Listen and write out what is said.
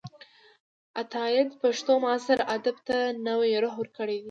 عطاييد پښتو معاصر ادب ته نوې روح ورکړې ده.